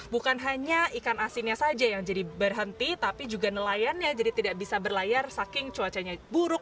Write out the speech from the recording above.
bukan hanya ikan asinnya saja yang jadi berhenti tapi juga nelayannya jadi tidak bisa berlayar saking cuacanya buruk